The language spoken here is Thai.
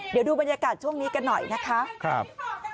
เดี๋ยวดูบรรยากาศช่วงนี้กันหน่อยนะคะ